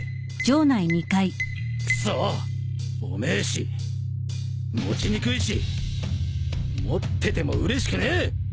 重えし持ちにくいし持っててもうれしくねえ！